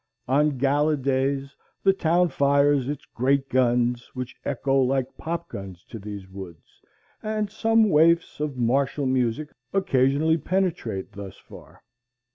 On gala days the town fires its great guns, which echo like popguns to these woods, and some waifs of martial music occasionally penetrate thus far.